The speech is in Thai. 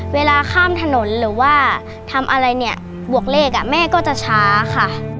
เวลาข้ามถนนหรือว่าทำอะไรเนี่ยบวกเลขแม่ก็จะช้าค่ะ